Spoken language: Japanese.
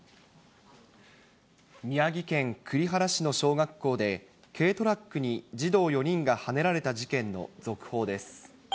宮城県栗原市の小学校で、軽トラックに児童４人がはねられた事件の続報です。